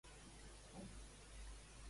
Què s'ha anomenat amb "Mundilfari"?